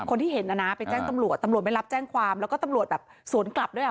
คนที่เห็นนะนะไปแจ้งตำรวจตำรวจไม่รับแจ้งความแล้วก็ตำรวจแบบสวนกลับด้วยอ่ะ